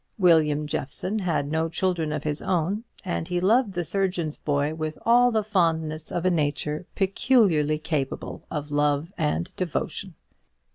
William Jeffson had no children of his own, and he loved the surgeon's boy with all the fondness of a nature peculiarly capable of love and devotion.